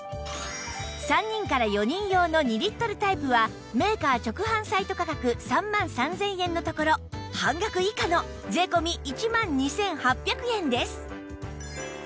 ３人から４人用の２リットルタイプはメーカー直販サイト価格３万３０００円のところ半額以下の税込１万２８００円です